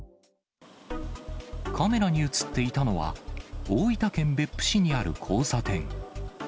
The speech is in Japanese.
カメラに写っていたのは、大分県別府市にある交差点。